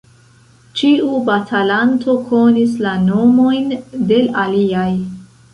Ĉiu batalanto konis la nomojn de l' aliaj.